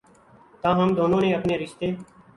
تاہم دونوں نے اپنے رشتے